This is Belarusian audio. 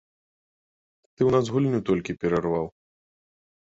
Ты ў нас гульню толькі перарваў!